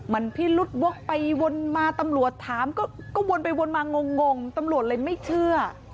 มันพิรุษวกไปวนมาตำรวจถามก็วนไปวนมางงตำรวจเลยไม่เชื่อ